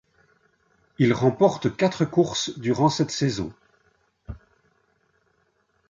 Il remporte quatre courses durant cette saison.